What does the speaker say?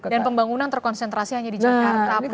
dan pembangunan terkonsentrasi hanya di jakarta